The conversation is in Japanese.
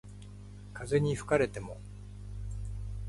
風に吹かれても